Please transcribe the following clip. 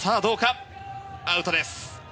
アウトです。